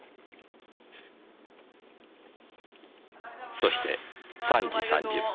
そして３時３０分。